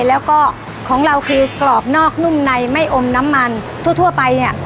แล้วก็ของเราคือกรอบนอกนุ่มในไม่อมน้ำมันทั่วทั่วไปเนี่ย